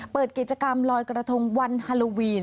เปิดกิจกรรมลอยกระทงวันฮาโลวีน